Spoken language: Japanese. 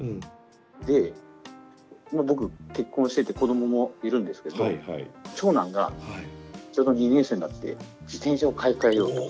で今僕結婚してて子どももいるんですけど長男がちょうど２年生になって自転車を買い替えようと。